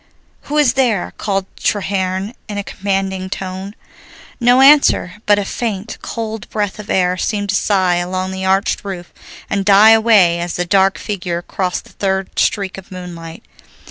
"Who is there?" called Treherne in a commanding tone. No answer, but a faint, cold breath of air seemed to sigh along the arched roof and die away as the dark figure crossed the third streak of moonlight.